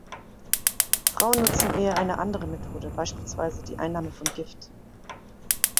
Frauen nutzen eher eine andere Methode, beispielsweise die Einnahme von Gift.